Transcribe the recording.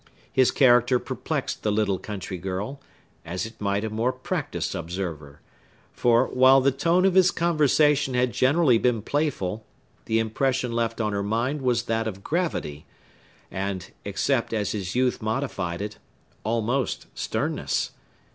His character perplexed the little country girl, as it might a more practised observer; for, while the tone of his conversation had generally been playful, the impression left on her mind was that of gravity, and, except as his youth modified it, almost sternness.